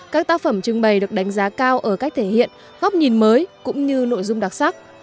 các tác phẩm trưng bày được đánh giá cao ở cách thể hiện góc nhìn mới cũng như nội dung đặc sắc